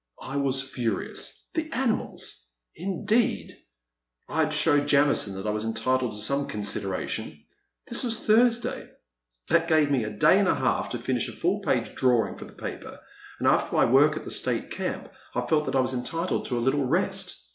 I was furious. The animals ! Indeed ! I 'd show Jamison that I was entitled to some consid eration ! This was Thursday; that gave me a day and a half to finish a full page drawing for the paper, and, afler my work at the State Camp I felt that I was entitled to a little rest.